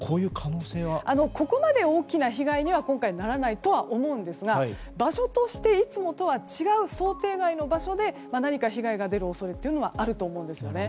ここまで大きな被害には今回ならないとは思うんですが場所としていつもとは違う想定外の場所で何か被害が出る恐れというのはあると思うんですね。